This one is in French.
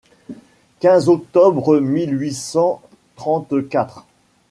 quinze octobre mille huit cent trente-quatre.